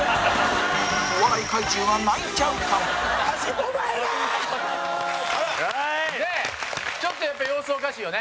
お笑い怪獣が泣いちゃうかも陣内：ちょっと、やっぱり様子おかしいよね。